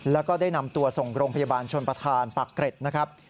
แล้วก็ได้นำตัวส่งโรงพยาบาลชนประธานปากเกร็ดนะครับ